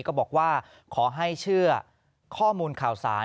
ก็บอกว่าขอให้เชื่อข้อมูลข่าวสาร